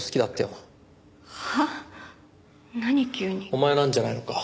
お前なんじゃないのか？